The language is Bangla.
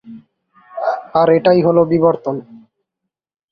আর এটাই হলো বিবর্তন।